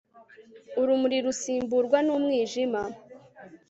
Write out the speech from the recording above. urumuri rusimburwa n'umwijima